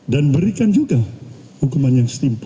dan berikan juga hukuman yang setimpu